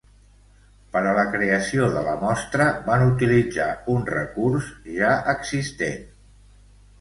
Per a la creació de la mostra van utilitzar un recurs ja existent.